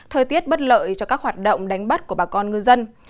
thời tiết bất lợi cho các hoạt động đánh bắt của bà con ngư dân